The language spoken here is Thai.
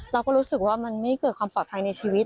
เราก็รู้สึกว่ามันไม่เกิดความปลอดภัยในชีวิต